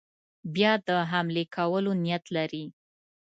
بیا د حملې کولو نیت لري.